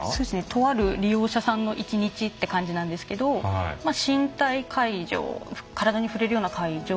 とある利用者さんの一日って感じなんですけど身体介助、体に触れるような介助。